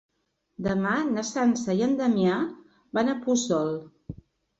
Demà na Sança i en Damià van a Puçol.